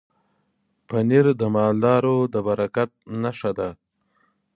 پنېر د مالدارو د برکت نښه ده.